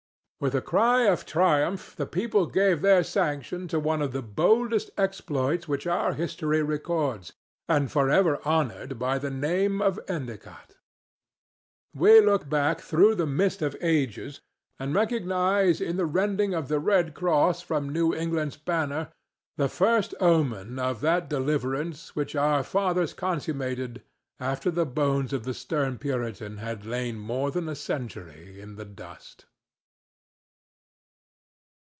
With a cry of triumph the people gave their sanction to one of the boldest exploits which our history records. And for ever honored be the name of Endicott! We look back through the mist of ages, and recognize in the rending of the red cross from New England's banner the first omen of that deliverance which our fathers consummated after the bones of the stern Puritan had lain more than a century in the dust.